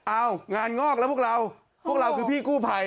งานงอกแล้วพวกเราพวกเราคือพี่กู้ภัย